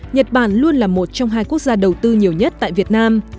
nhật bản luôn là một trong hai quốc gia đầu tư nhiều nhất tại việt nam